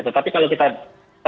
tetapi kalau kita